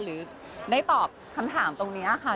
หรือได้ตอบคำถามตรงนี้ค่ะ